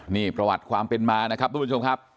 นี่ประวัติความเป็นมานะครับทุกผู้ชมครับ